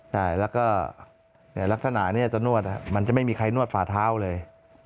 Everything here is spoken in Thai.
ใช่แล้วก็ลักษณะนี้จะนวดมันจะไม่มีใครนวดฝ่าเท้าเลย